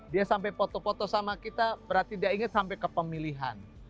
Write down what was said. dia sampai foto foto sama kita berarti dia ingat sampai ke pemilihan